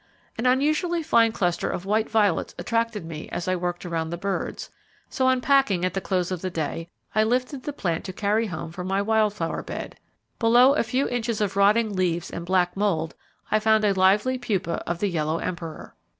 An unusually fine cluster of white violets attracted me as I worked around the birds, so on packing at the close of the day I lifted the plant to carry home for my wild flower bed. Below a few inches of rotting leaves and black mould I found a lively pupa of the Yellow Emperor.